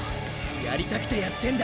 やりたくてやってんだ。